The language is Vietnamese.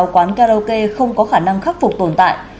ba trăm hai mươi sáu quán karaoke không có khả năng khắc phục tồn tại